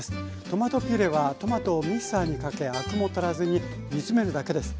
トマトピュレはトマトをミキサーにかけアクも取らずに煮詰めるだけです。